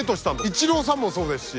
イチローさんもそうですし。